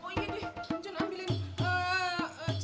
oh nek nggak usah